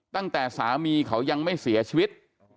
ตั้งแต่สามีเขายังไม่เสียชีวิต